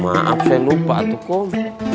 maaf saya lupa tuh kok